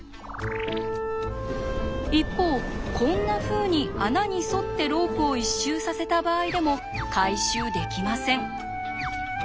一方こんなふうに穴に沿ってロープを一周させた場合でも回収できません。